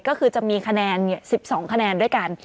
ก็คือจะมีคะแนน๑๒คะแนนด้วยกัน